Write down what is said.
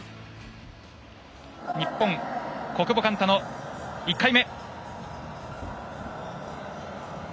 日本小久保寛太の１回目。